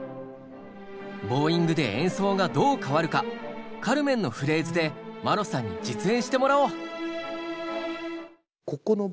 ボーイングで演奏がどう変わるか「カルメン」のフレーズでマロさんに実演してもらおう。